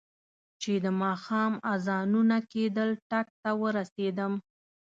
چې د ماښام اذانونه کېدل ټک ته ورسېدم.